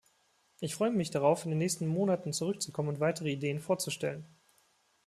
Ich freue mich darauf, in den nächsten Monaten zurückzukommen und weitere Ideen vorzustellen.